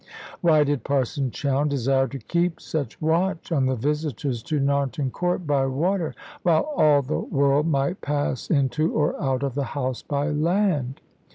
Why did Parson Chowne desire to keep such watch on the visitors to Narnton Court by water, while all the world might pass into or out of the house by land?